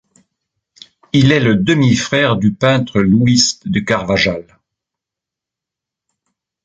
Il est le demi-frère du peintre Luis de Carvajal.